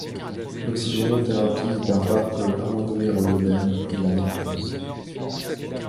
L’oxygénothérapie hyperbare peut amoindrir l’œdème et la nécrose.